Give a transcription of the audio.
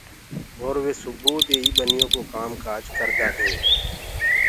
اور وي سُبوئو دي هي ٻنيو ڪو ڪآم ڪآر ڪردآ هينٚ